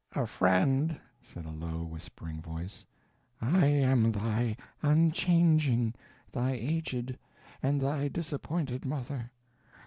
"A friend," said a low, whispering voice. "I am thy unchanging, thy aged, and thy disappointed mother.